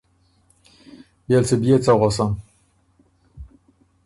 بيې ل سُو بيې څۀ غؤسم؟